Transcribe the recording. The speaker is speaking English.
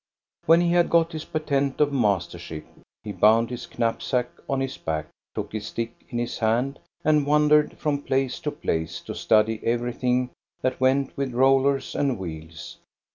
When he had got his patent of mastership, he bound his knapsack on his back, took his stick in his hand, and wandered from place to place to study everything that went with rollers and wheels.